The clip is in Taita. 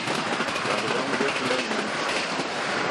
W'andu w'amu w'ekunda w'imangishe mwandu.